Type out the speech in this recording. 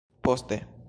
Poste.